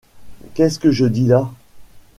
Qu’est-ce que je dis là ?